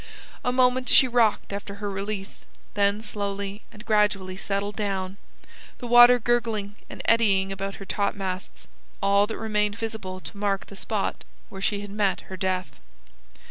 A moment she rocked after her release, then slowly and gradually settled down, the water gurgling and eddying about her topmasts, all that remained visible to mark the spot where she had met her death.